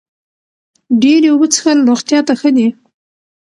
ډېرې اوبه څښل روغتیا ته ښه دي.